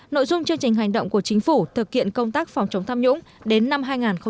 nội dung chương trình hành động của chính phủ thực hiện công tác phòng chống tham nhũng đến năm hai nghìn hai mươi